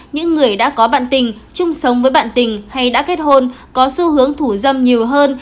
những người đã có bạn tình chung sống với bạn tình hay đã kết hôn có xu hướng thủ dâm nhiều hơn